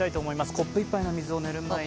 コップ１杯の水を寝る前に。